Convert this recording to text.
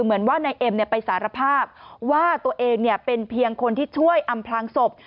เหมือนว่านายเอ็มไปสารภาพว่าตัวเองเป็นเพียงคนที่ช่วยอำพลางศพ